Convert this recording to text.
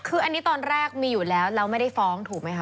คืออันนี้ตอนแรกมีอยู่แล้วแล้วไม่ได้ฟ้องถูกไหมคะ